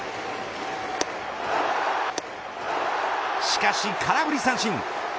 しかし空振り三振。